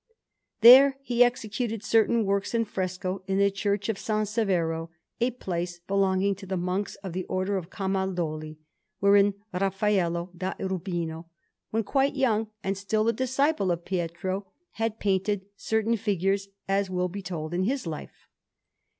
There he executed certain works in fresco in the Church of S. Severo, a place belonging to the Monks of the Order of Camaldoli, wherein Raffaello da Urbino, when quite young and still the disciple of Pietro, had painted certain figures, as will be told in his Life.